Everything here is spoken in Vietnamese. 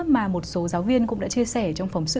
mà một số giáo viên cũng đã chia sẻ trong phóng sự